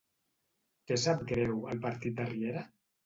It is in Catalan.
Què sap greu al partit de Riera?